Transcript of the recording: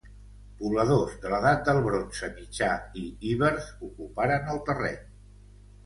Pobladors de l'edat del bronze mitjà i ibers ocuparen el terreny.